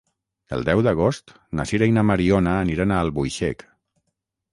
El deu d'agost na Sira i na Mariona aniran a Albuixec.